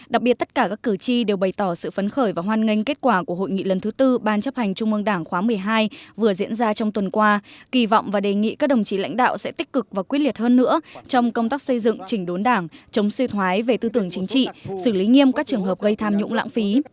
đặc biệt tất cả các cử tri đều bày tỏ sự phấn khởi và hoan nghênh kết quả của hội nghị lần thứ tư ban chấp hành trung mương đảng khóa một mươi hai vừa diễn ra trong tuần qua kỳ vọng và đề nghị các đồng chí lãnh đạo sẽ tích cực và quyết liệt hơn nữa trong công tác xây dựng chỉnh đốn đảng chống suy thoái về tư tưởng chính trị xử lý nghiêm các trường hợp gây tham nhũng lãng phí